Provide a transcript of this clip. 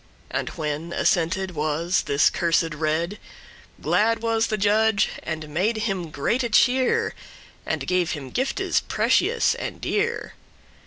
And when assented was this cursed rede,* *counsel, plot Glad was the judge, and made him greate cheer, And gave him giftes precious and dear.